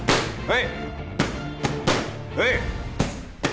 はい！